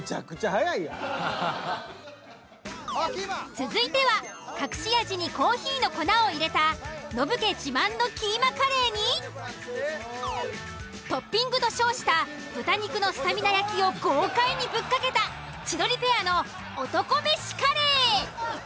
続いては隠し味にコーヒーの粉を入れたノブ家自慢のキーマカレーにトッピングと称した豚肉のスタミナ焼きを豪快にぶっかけた千鳥ペアの男飯カレー。